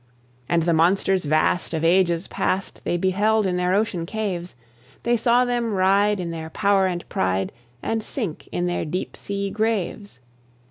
And the monsters vast of ages past They beheld in their ocean caves; They saw them ride in their power and pride, And sink in their deep sea graves.